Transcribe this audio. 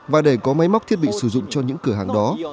và để có máy móc thiết bị sử dụng cho những cửa hàng đó